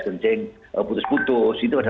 kencing putus putus itu ada